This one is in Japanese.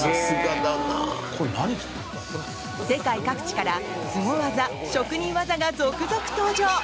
世界各地からスゴ技、職人技が続々登場！